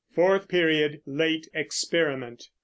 Fourth Period, Late Experiment.